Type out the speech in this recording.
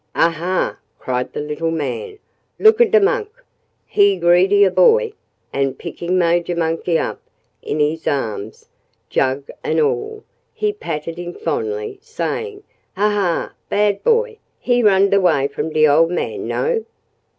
"Aha a!" cried the little man. "Look a da monk! He greed a boy!" And picking Major Monkey up in his arms, jug and all, he patted him fondly, saying, "Ah a! Bad a boy! He run a da way from da ol' man, no?"